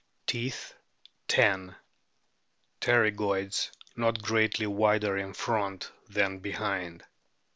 Teeth, 10. Pterygoids not greatly wider in front than behind.